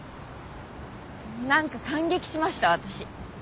何か感激しました私。